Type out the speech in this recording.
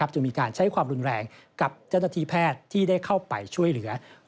จึงมีการใช้ความรุนแรงกับเจ้าหน้าที่แพทย์ที่ได้เข้าไปช่วยเหลือ